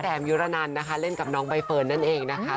ยุรนันนะคะเล่นกับน้องใบเฟิร์นนั่นเองนะคะ